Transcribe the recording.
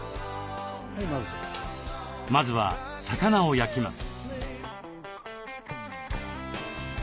まずは魚を焼きます。